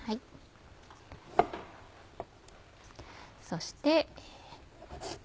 そして。